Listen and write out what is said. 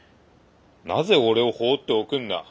なぜ俺を放っておくんだ？